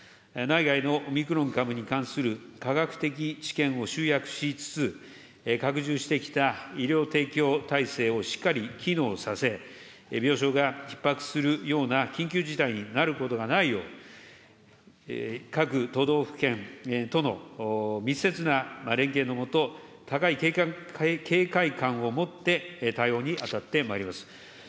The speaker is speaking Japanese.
内外のオミクロン株に関する科学的知見を集約しつつ、拡充してきた医療提供体制をしっかり機能させ、病床がひっ迫するような緊急事態になることがないよう、各都道府県との密接な連携の下、高い警戒感を持って対応に当たってまいります。